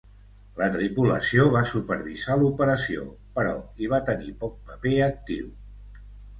La tripulació va supervisar l'operació, però hi va tenir poc paper actiu.